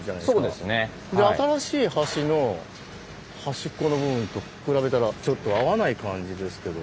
新しい橋の端っこの部分と比べたらちょっと合わない感じですけど。